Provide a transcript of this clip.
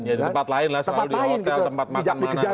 ya di tempat lain lah selalu di hotel tempat makan mana